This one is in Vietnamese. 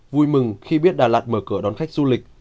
vui mừng khi biết đà lạt mở cửa đón khách du lịch